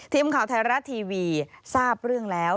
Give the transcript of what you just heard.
ทีมข่าวไทยรัฐทีวีทราบเรื่องแล้ว